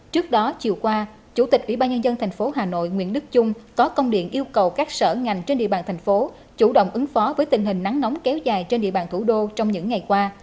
trước đó chiều qua chủ tịch ủy ban nhân dân tp hà nội nguyễn đức trung có công điện yêu cầu các sở ngành trên địa bàn thành phố chủ động ứng phó với tình hình nắng nóng kéo dài trên địa bàn thủ đô trong những ngày qua